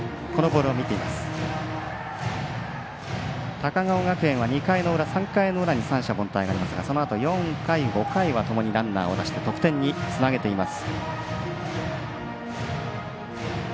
高川学園は２回の裏３回の裏に三者凡退がありますがそのあと、４回、５回はともにランナーを出して得点につなげています。